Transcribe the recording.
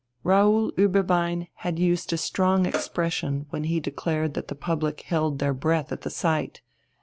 Raoul Ueberbein had used a strong expression when he declared that the public "held their breath" at the sight.